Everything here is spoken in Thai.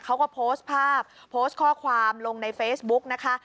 เขาก็โพสต์ภาพโพสต์ข้อความลงในเฟซบุ๊กนะคะ